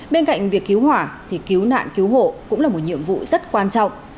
bên cạnh việc cứu hỏa thì cứu nạn cứu hộ cũng là một nhiệm vụ rất quan trọng